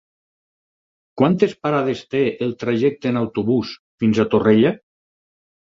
Quantes parades té el trajecte en autobús fins a Torrella?